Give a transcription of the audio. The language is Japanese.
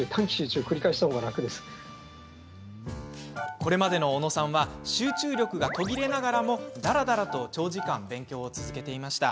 これまでの小野さんは集中力が途切れながらもだらだらと長時間、勉強を続けていました。